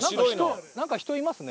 なんか人いますね。